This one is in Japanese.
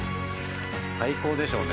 最高でしょうね。